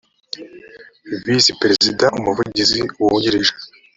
visi perezida umuvugizi wungirije